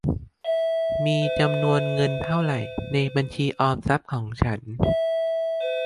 มีจำนวนเงินเท่าไหร ในบัญชีออมทรัพย์ของฉัน ?